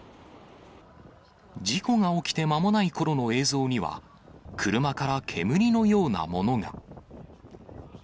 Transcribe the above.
事故が起きて間もないころの映像には、車から煙のようなものが。